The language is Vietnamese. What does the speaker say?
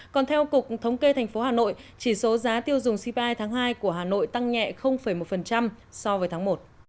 còn theo cục thống kê tp hcm chỉ số giá tiêu dùng cpi tháng hai của hà nội tăng nhẹ một so với tháng một